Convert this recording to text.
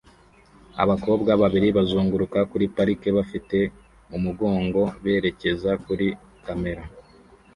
Abakobwa babiri bazunguruka kuri parike bafite umugongo berekeza kuri kamera